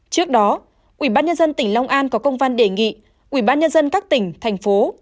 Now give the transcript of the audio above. trước đó ubnd tỉnh long an có công văn đề nghị ubnd các tỉnh thành phố